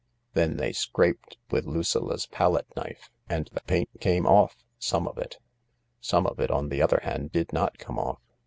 Then they scraped with Lucilla 's palette knife, and the paint came off — some of it. Some of it, on the other hand, did not come off.